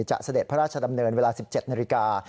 เสด็จพระราชดำเนินเวลา๑๗นาฬิกา